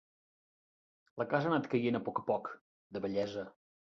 La casa ha anat caient a poc a poc, de vellesa.